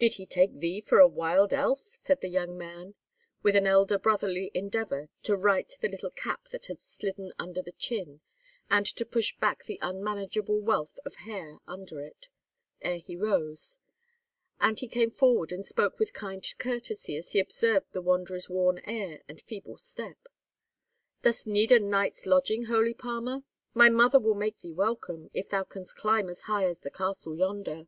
"Did he take thee for a wild elf?" said the young man, with an elder brotherly endeavour to right the little cap that had slidden under the chin, and to push back the unmanageable wealth of hair under it, ere he rose; and he came forward and spoke with kind courtesy, as he observed the wanderer's worn air and feeble step. "Dost need a night's lodging, holy palmer? My mother will make thee welcome, if thou canst climb as high as the castle yonder."